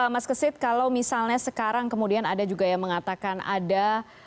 mas kesit kalau misalnya sekarang kemudian ada juga yang mengatakan ada